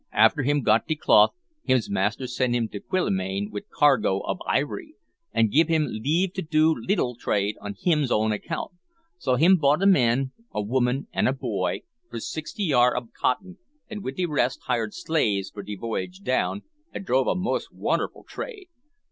"After him got de cloth, hims master send him to Quillimane wid cargo ob ivory, an' gib him leave to do leetil trade on hims own account; so him bought a man, a woman, an' a boy, for sixty yard ob cottin, an' wid de rest hired slaves for de voyage down, an' drove a mos' won'erful trade.